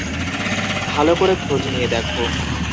ভালো করে খোঁজ নিয়ে দেখো।